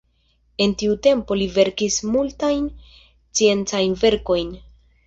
En tiu tempo li verkis multajn sciencajn verkojn.